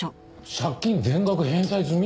借金全額返済済み？